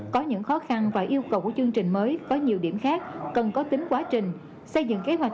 có những khó khăn và yêu cầu của chương trình mới